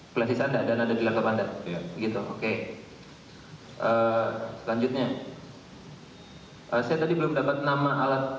plastik ada dan ada di langkah anda gitu oke selanjutnya hai aset tadi belum dapat nama alat